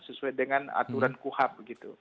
sesuai dengan aturan kuhap